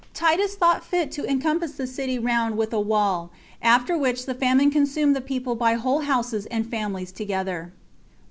Titus Thought Fit To Encompass The City Round With A Wall; After Which The Famine Consumed The People By Whole Houses And Families Together.